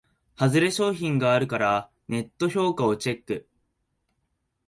ハズレ商品があるからネット評価をチェック